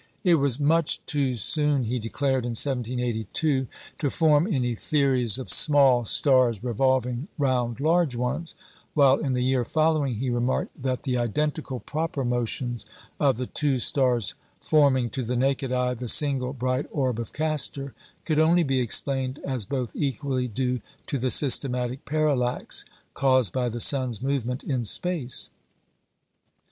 It was "much too soon," he declared in 1782, "to form any theories of small stars revolving round large ones;" while in the year following, he remarked that the identical proper motions of the two stars forming, to the naked eye, the single bright orb of Castor could only be explained as both equally due to the "systematic parallax" caused by the sun's movement in space.